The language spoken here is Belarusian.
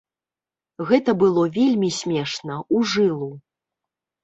Гэта было вельмі смешна, у жылу.